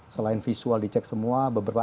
selain visual di cek semua beberapa